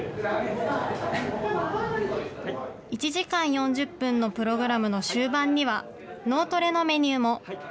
１時間４０分のプログラムの終盤には、脳トレのメニューも。